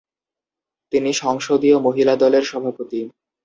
তিনি সংসদীয় মহিলা দলের সভাপতি।